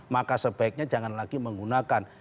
maka sebaiknya jangan lagi menggunakan